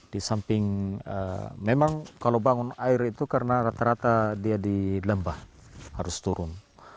di samping memang kalau bangun air itu karena rata rata dia di lembah harus turun